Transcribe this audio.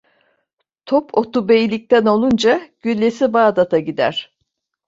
Top otu beylikten olunca güllesi Bağdat'a gider.